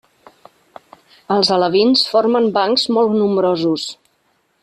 Els alevins formen bancs molt nombrosos.